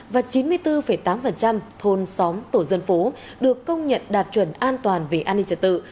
và chín mươi bốn tám thôn xóm tổ dân phố được công nhận đạt chuẩn an toàn về an ninh trật tự